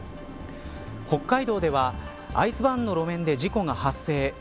北海道ではアイスバーンの路面で事故が発生。